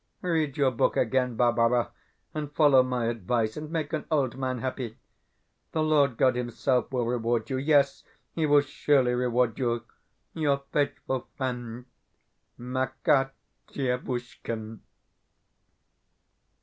Read your book again, Barbara, and follow my advice, and make an old man happy. The Lord God Himself will reward you. Yes, He will surely reward you. Your faithful friend, MAKAR DIEVUSHKIN.